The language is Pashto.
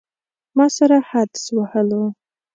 ما سره حدس وهلو.